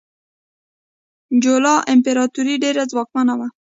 چولا امپراتوري ډیره ځواکمنه وه.